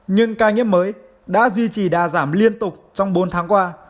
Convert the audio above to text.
nhưng ca nghiêm mới đã duy trì đa giảm liên tục trong bốn tháng qua